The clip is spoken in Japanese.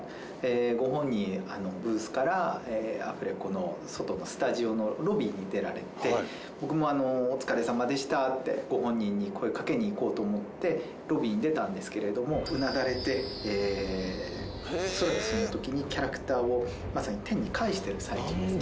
ご本人ブースからアフレコの外のスタジオのロビーに出られて僕も「お疲れさまでした」ってご本人に声をかけに行こうと思ってロビーに出たんですけれどもうなだれて恐らくその時にキャラクターをまさに天に返している最中ですね。